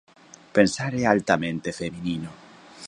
Pensar é altamente feminino.